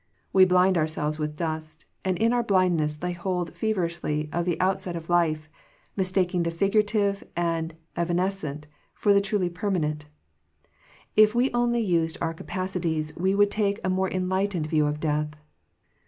We blind ourselves with dust, and in our blindness lay hold feverishly of the out side of life, mistaking the fugitive and evanescent for the truly permanent If we only used our capacities we would take a more enlightened view of death.